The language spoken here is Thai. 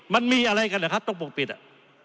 มันมีอะไรกันเหรอครับต้องปกปิดอ่ะ